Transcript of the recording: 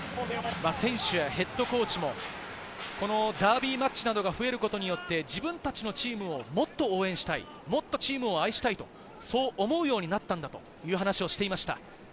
選手やヘッドコーチもダービーマッチなどが増えることによって自分たちのチームをもっと応援したい、もっとチームを愛したい、そう思うようになったんだという話をしていました。